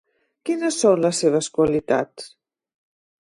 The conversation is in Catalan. Quines són les seves qualitats?